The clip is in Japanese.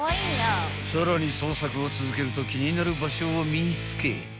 ［さらに捜索を続けると気になる場所を見つけ］